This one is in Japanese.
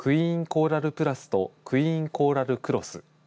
コーラルプラスとクイーンコーラルクロス。